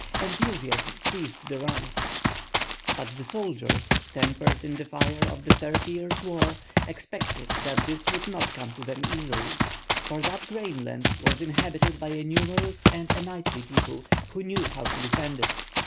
Enthusiasm seized the ranks. But the soldiers, tempered in the fire of the Thirty Years' War, expected that this would not come to them easily; for that grainland was inhabited by a numerous and a knightly people, who knew how to defend it.